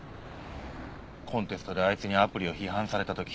コンテストであいつにアプリを批判された時。